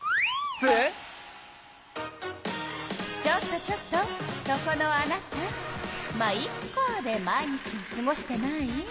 ちょっとちょっとそこのあなた「ま、イッカ」で毎日をすごしてない？